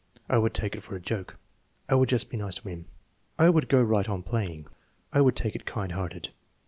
"I would take it for a joke." "I would just be nice to him." "I would go right on playing." "I would take it kind hearted."